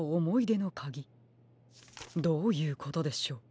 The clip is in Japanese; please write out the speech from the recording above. どういうことでしょう？